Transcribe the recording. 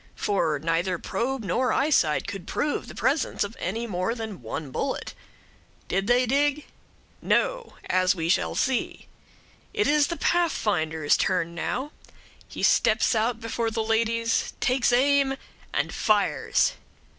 for neither probe nor eyesight could prove the presence of any more than one bullet. Did they dig? No; as we shall see. It is the Pathfinder's turn now; he steps out before the ladies, takes aim, and fires.